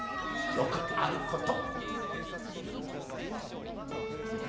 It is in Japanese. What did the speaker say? よくあること。